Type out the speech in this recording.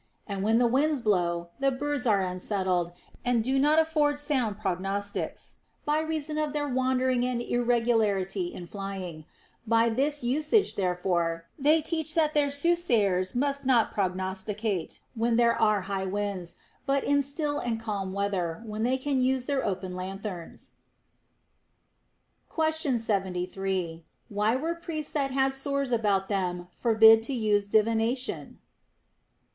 And when the winds blow, the birds are unsettled and do not afford sound prognostics, by reason of their wandering and irregularity in flying ; by this usage therefore they teach that their soothsayers must not prognosticate when there are high winds, but in still and calm weather, when they can use their open lanthorns. Question 73. Why were priests that had sores about them forbid to use divination.